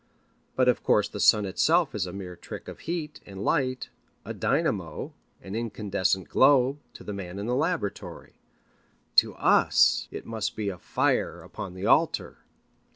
But of course the sun itself is a mere trick of heat and light, a dynamo, an incandescent globe, to the man in the laboratory. To us it must be a fire upon the altar.